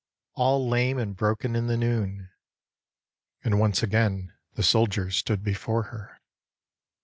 " All lame And broken in the noon." And once again The soldier stood before her.